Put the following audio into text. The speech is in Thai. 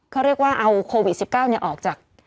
เขาเรียกว่าเอาโควิด๑๙ออกจาก